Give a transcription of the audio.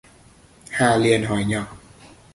Hà liền hỏi nhỏ